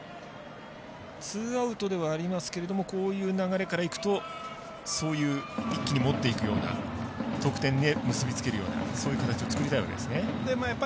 ツーアウトではありますがこういう流れからいくと一気に持っていくような得点へ結びつけるようなそういう形を作りたいわけですね。